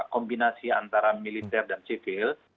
kombinasi antara militer dan sipil